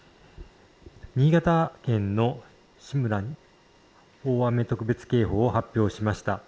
新潟県の大雨特別警報を発表しました。